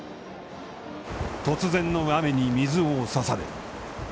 突然の雨に水を差される。